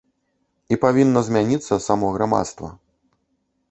І павінна змяніцца само грамадства.